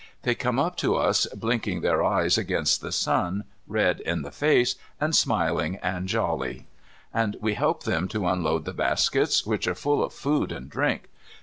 They come up to us blinking their eyes against the sun, red in the face, and smiling and jolly. And we help them to unload the baskets, which are full of food and drink.